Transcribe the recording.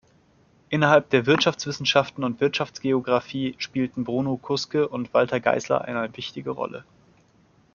Innerhalb der Wirtschaftswissenschaften und Wirtschaftsgeographie spielten Bruno Kuske und Walter Geisler eine wichtige Rolle.